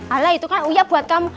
alah itu kan uya buat kamu